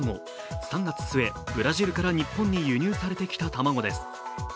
３月末、ブラジルから日本に輸入されてきた卵です。